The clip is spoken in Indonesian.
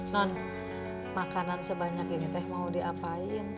non makanan sebanyak ini teh mau diapain